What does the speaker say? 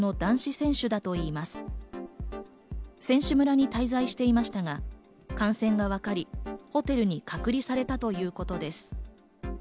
選手村に滞在していましたが、感染が分かりホテルに隔離されたということです。